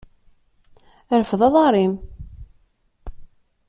Rfed aḍar-im.